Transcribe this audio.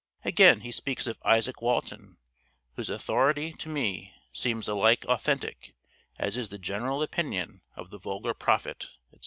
Again, he speaks of 'Isaac Walton, whose authority to me seems alike authentick, as is the general opinion of the vulgar prophet,' &c.